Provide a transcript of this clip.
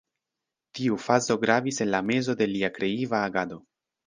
Tiu fazo gravis en la mezo de lia kreiva agado.